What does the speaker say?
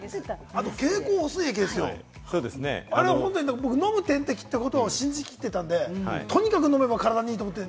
あと経口補水液ですよ、飲む点滴って言葉を信じきってたので、とにかく飲めば体にいいと思って。